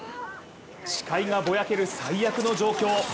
視界がぼやける最悪の状況。